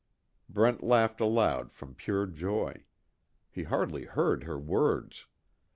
Brent laughed aloud from pure joy. He hardly heard her words.